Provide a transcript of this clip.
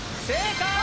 正解！